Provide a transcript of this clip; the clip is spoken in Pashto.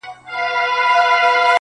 او توري څڼي به دي.